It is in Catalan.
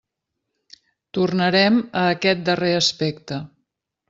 Tornarem a aquest darrer aspecte.